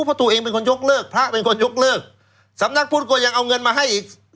เพราะตัวเองเป็นคนยกเลิกพระเป็นคนยกเลิกสำนักพุทธก็ยังเอาเงินมาให้อีก